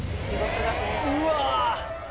うわ。